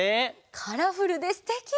カラフルですてき！